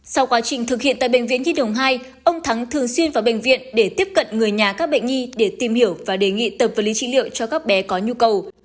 sau quá trình thực hiện tại bệnh viện nhi đồng hai ông thắng thường xuyên vào bệnh viện để tiếp cận người nhà các bệnh nhi để tìm hiểu và đề nghị tập vật lý trị liệu cho các bé có nhu cầu